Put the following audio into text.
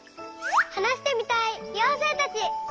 はなしてみたいようせいたち！